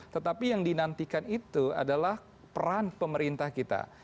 tetapi yang dinantikan itu adalah peran pemerintah kita